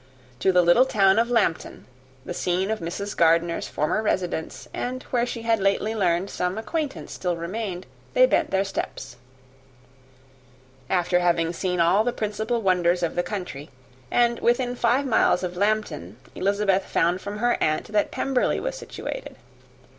To the little town of Lambton, the scene of Mrs. Gardiner's former residence, and where she had lately learned that some acquaintance still remained, they bent their steps, after having seen all the principal wonders of the country; and within five miles of Lambton, Elizabeth found, from her aunt, that Pemberley was situated.